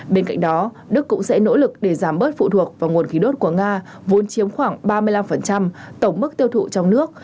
bên cạnh đó đức cũng sẽ nỗ lực để giảm bớt phụ thuộc vào nguồn khí đốt của nga vốn chiếm khoảng ba mươi năm tổng mức tiêu thụ trong nước